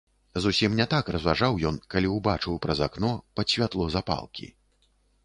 Зусім не так разважаў ён, калі ўбачыў праз акно, пад святло запалкі.